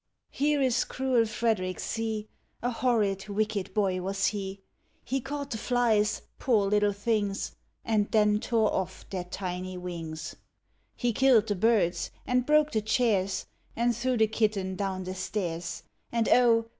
Here is cruel Frederick, see! A horrid wicked boy was he; He caught the Hies, poor little things, And then tore off their tiny wings. He killed the birds, and broke the chairs, And threw the kitten down the stairs; And Oh!